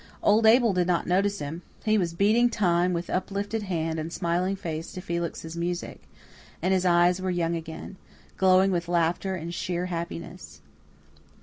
Old Abel did not notice him; he was beating time with uplifted hand and smiling face to Felix's music, and his eyes were young again, glowing with laughter and sheer happiness.